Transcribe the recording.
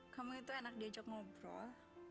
kamu itu enak diajak ngobrol